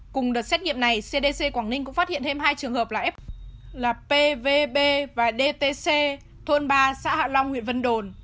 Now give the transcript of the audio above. cùng đợt xét nghiệm này cdc quảng ninh cũng phát hiện thêm hai trường hợp là f là pvb và dtc thôn ba xã hạ long huyện vân đồn